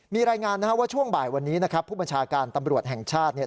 มีรายงานนะครับว่าช่วงบ่ายวันนี้นะครับผู้บัญชาการตำรวจแห่งชาติเนี่ย